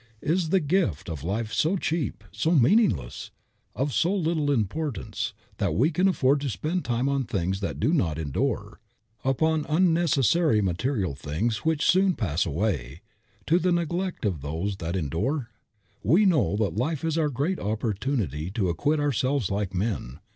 Is the gift of life so cheap, so meaningless, of so little importance, that we can afford to spend time on things that do not endure, upon unnecessary material things which so soon pass away, to the neglect of those that endure? We know that life is our great opportunity to acquit ourselves like men.